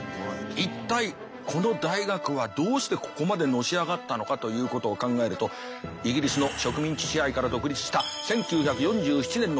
一体この大学はどうしてここまでのし上がったのかということを考えるとイギリスの植民地支配から独立した１９４７年のこと。